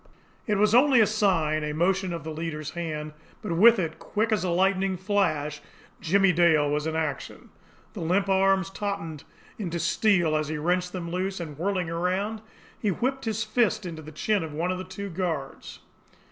It was only a sign, a motion of the leader's hand but with it, quick as a lightning flash, Jimmie Dale was in action. The limp arms tautened into steel as he wrenched them loose, and, whirling around, he whipped his fist to the chin of one of the two guards.